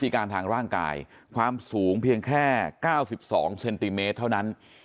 การทางร่างกายความสูงเพียงแค่๙๒เซนติเมตรเท่านั้น